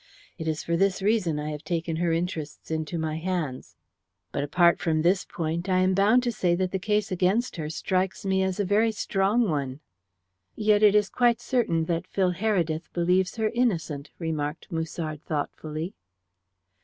It is for this reason I have taken her interests into my hands. But, apart from this point, I am bound to say that the case against her strikes me as a very strong one." "Yet it is quite certain that Phil Heredith believes her innocent," remarked Musard thoughtfully.